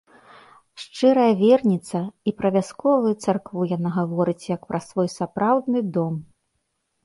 Шчырая верніца, і пра вясковую царкву яна гаворыць як пра свой сапраўдны дом.